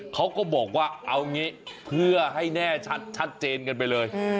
เขาก็บอกว่าเอางี้เพื่อให้แน่ชัดกันไปเลย